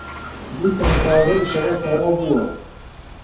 گوتیان تازە ئیشەکە تەواو بووە